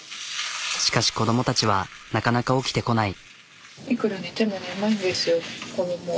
しかし子どもたちはなかなか起きてこない。